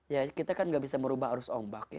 ya kita kan nggak bisa merubah arus ombak ya